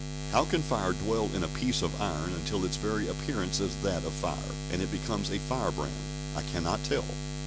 How can fire dwell in a piece of iron until its very appearance is that of fire, and it becomes a fire brand? I cannot tell.